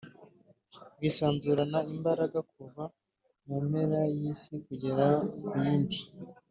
Bwisanzurana imbaraga kuva ku mpera y’isi kugera ku yindi,